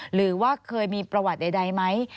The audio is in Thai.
หรือว่าเคยมีประวัติใดไหม